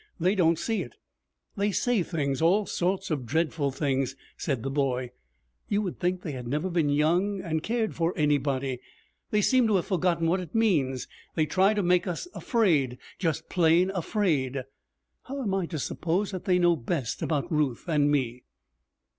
They don't see it. They say things all sorts of dreadful things,' said the boy. 'You would think they had never been young and cared for anybody. They seem to have forgotten what it means. They try to make us afraid just plain afraid. How am I to suppose that they know best about Ruth and me?'